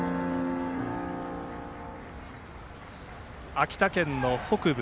秋田県の北部